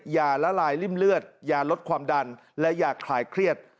อย่าระลายริ่มเลือดอย่ารดความดันและอย่าขายเครียด